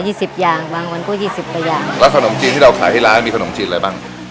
สิบอย่างบางวันก็ยี่สิบกว่าอย่างแล้วขนมจีนที่เราขายที่ร้านมีขนมจีนอะไรบ้าง